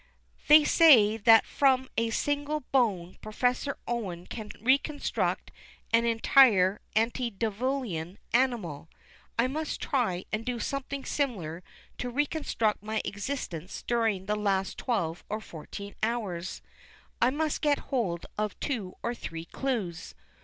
They say that from a single bone Professor Owen can reconstruct an entire antediluvian animal; I must try and do something similar to reconstruct my existence during the last twelve or fourteen hours. I must get hold of two or three clues.